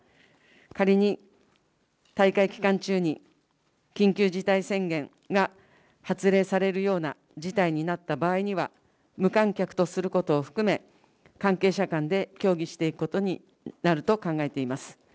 仮に大会期間中に緊急事態宣言が発令されるような事態になった場合には、無観客とすることを含め、関係者間で協議していくことになると考えています。